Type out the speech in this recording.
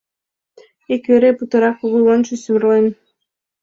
Ик вере путырак кугу лончо сӱмырлен.